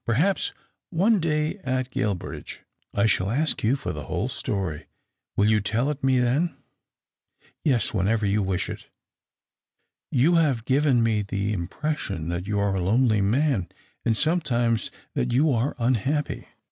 Per haps one day at Guilbridge I shall ask you for the whole story. Will you tell it me then ?"" Yes ; whenever you wish it." " You have given me the impression that you are a lonely man, and sometimes that you are unhappy." 196 THE OCTAVE OF CLAUDIUS.